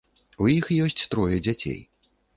У іх ёсць трое дзяцей.